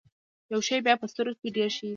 يو شی بيا په سترګو ډېر ښه اېسي.